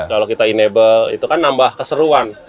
kalau kita enable itu kan nambah keseruan